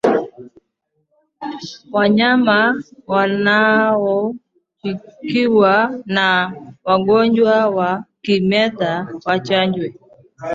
Wanyama wanaoshukiwa kuwa na ugonjwa wa kimeta wachanjwe